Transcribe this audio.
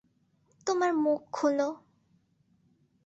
তোমার মুখ খোলো!